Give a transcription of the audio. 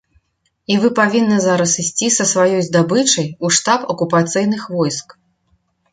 І вы павінны зараз ісці са сваёй здабычай у штаб акупацыйных войск.